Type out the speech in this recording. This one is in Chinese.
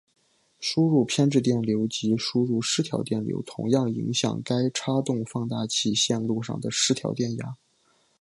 输入偏置电流及输入失调电流同样影响该差动放大器线路上的失调电压。